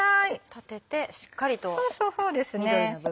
立ててしっかりと緑の部分を。